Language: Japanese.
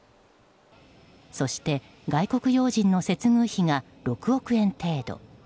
そして、外国要人の接遇費が６億円程度。